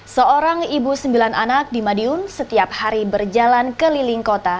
seorang ibu sembilan anak di madiun setiap hari berjalan keliling kota